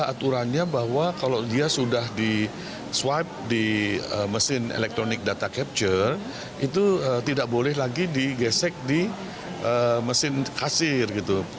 aturannya bahwa kalau dia sudah di swipe di mesin electronic data capture itu tidak boleh lagi digesek di mesin kasir gitu